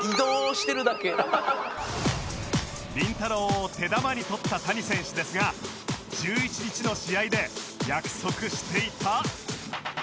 りんたろー。を手玉に取った谷選手ですが１１日の試合で約束していた